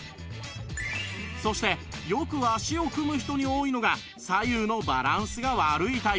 そしてよく脚を組む人に多いのが左右のバランスが悪いタイプ